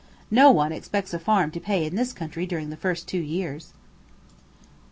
No one expects a farm to pay in this country during the first two years.